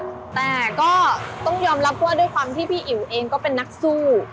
แต่ก็ต้องยอมรับว่าด้วยความที่พี่อิ๋วเองก็เป็นนักสู้